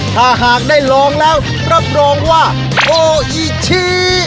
ถ้าหากได้ลองแล้วรับรองว่าโออีชี